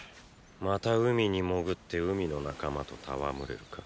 また海に潜って海の仲間と戯れるか？